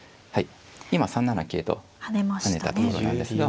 今３七桂と跳ねたところなんですが。